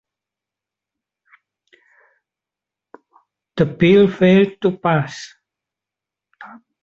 The bill failed to pass.